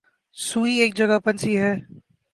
سوئی ایک جگہ پھنسی ہے۔